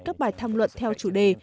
các bài tham luận theo chủ đề